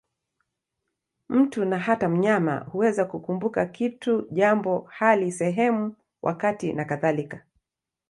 Mtu, na hata mnyama, huweza kukumbuka kitu, jambo, hali, sehemu, wakati nakadhalika.